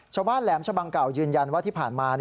แหลมชะบังเก่ายืนยันว่าที่ผ่านมา